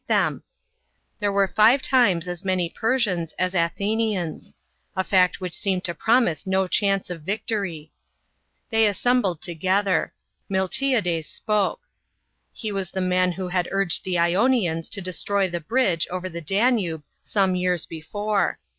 ] VICTORY FOR THE GREEKS. 89 ? There were five times as many Persians \*. as * Athenians ; a fact which seemed to promise no chance of victory. They assembled together. Miltiades 1 spoke. He . was the man who had urged the lonians to destroy the bridge over the Danube some years before.